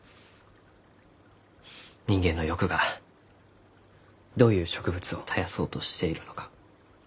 人間の欲がどういう植物を絶やそうとしているのか